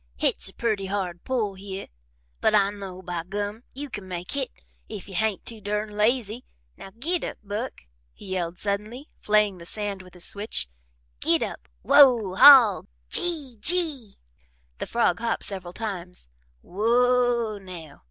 "Hit's a purty hard pull hyeh, but I know, by Gum, you can make hit if you hain't too durn lazy. Now, git up, Buck!" he yelled suddenly, flaying the sand with his switch. "Git up Whoa Haw Gee, Gee!" The frog hopped several times. "Whoa, now!"